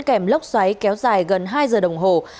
kèm lốc xoáy kéo dài gần hai giờ đồng hồ